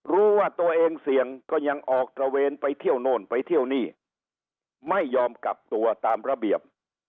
รู้ว่าตัวเองเสี่ยงก็ยังออกตระเวนไปเที่ยวโน่นไปเที่ยวนี่ไม่ยอมกลับตัวตามระเบียบ